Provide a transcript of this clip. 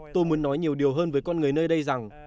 tôi muốn nói nhiều điều hơn với con người nơi đây rằng